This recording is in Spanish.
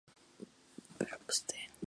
Suelen ser muy populares las sopas.